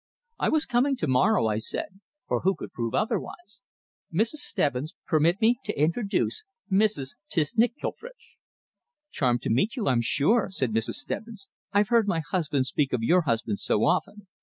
"I was coming to morrow," I said for who could prove otherwise? "Mrs. Stebbins, permit me to introduce Mrs. Tszchniczklefritszch." "Charmed to meet you, I'm sure," said Mrs. Stebbins. "I've heard my husband speak of your husband so often.